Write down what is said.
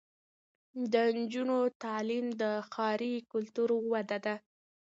د نجونو تعلیم د ښاري کلتور وده ده.